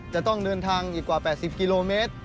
จะต้องเดินทางอีกกว่า๘๐กิโลเมตร